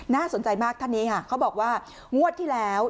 สนใจมากท่านนี้ค่ะเขาบอกว่างวดที่แล้ว